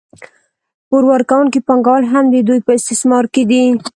پور ورکوونکي پانګوال هم د دوی په استثمار کې دي